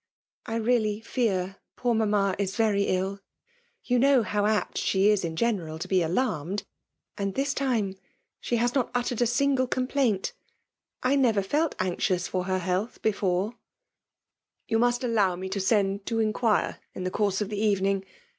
I really fear poor mamma is very ill. Yon know how apt she is in general to be alarmed; and this time she has not uttered a single com^ plaint. I never felt anxious for her health before*" " You must allow me to send to inquire in the course of the evening.